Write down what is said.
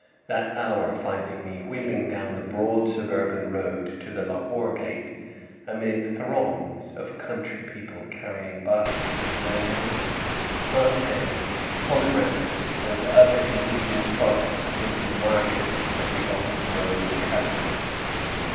that hour finding me wheeling down the broad suburban road to the Lahore Gate amid throngs of country people carrying baskets of mangoes, plantains, pomegranates, and other indigenous products into the markets of the old Mogul capital.